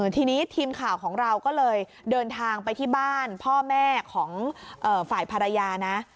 ทีนี้ทีมข่าวของเราก็เลยเดินทางไปที่บ้านพ่อแม่ของฝ่ายภรรยานะ